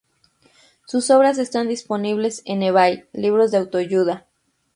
Sus obras están disponibles en Ebay libros de autoayuda.